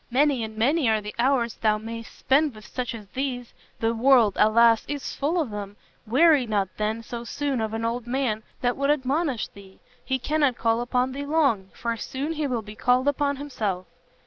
Many and many are the hours thou mayst spend with such as these; the world, alas! is full of them; weary not then, so soon, of an old man that would admonish thee, he cannot call upon thee long, for soon he will be called upon himself!"